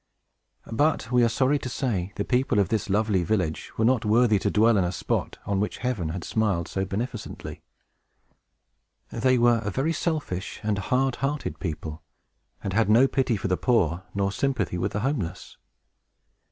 But, we are sorry to say, the people of this lovely village were not worthy to dwell in a spot on which Heaven had smiled so beneficently. They were a very selfish and hard hearted people, and had no pity for the poor, nor sympathy with the homeless.